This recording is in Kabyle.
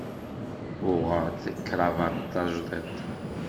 Uɣeɣ-d takravat tajḍiṭ.